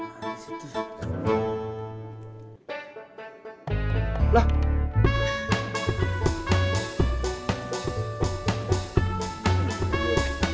ngeri yang guaranteedfin ance seumur